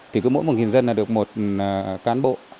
thì cứ mỗi một dân là được một cán bộ